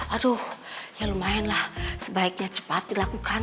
aduh ya lumayan lah sebaiknya cepat dilakukan